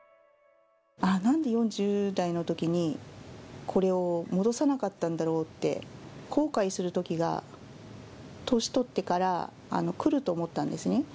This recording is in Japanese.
なんで４０代のときに、これを戻さなかったんだろうって、後悔するときが、年取ってからくると思ったんですね。